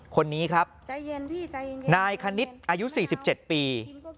คนนี้ครับนายคณิตอายุ๔๗ปี